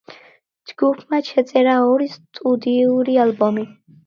ჯგუფმა ჩაწერა ორი სტუდიური ალბომი.